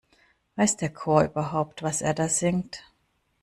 Weiß der Chor überhaupt, was er da singt?